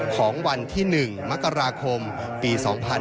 ของวันที่๑มกราคมปี๒๕๕๙